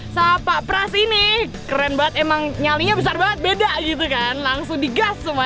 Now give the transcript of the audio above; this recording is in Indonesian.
sama pak pras ini keren banget emang nyalinya besar banget beda gitu kan langsung digas semua